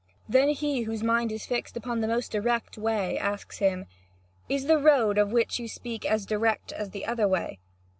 Then he, whose mind is fixed upon the most direct way, asks him: "Is the road of which you speak as direct as the other way?"